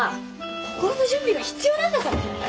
心の準備が必要なんだからね！